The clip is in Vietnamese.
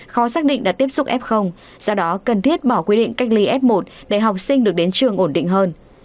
khó xác định đã tiếp xúc f do đó cần thiết bỏ quy định cách ly f một để học sinh được đến trường ổn định hơn